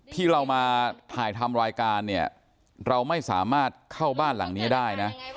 ที่เรามาถ่ายทำรายการเนี่ยเราไม่สามารถเข้าบ้านหลังนี้ได้นะ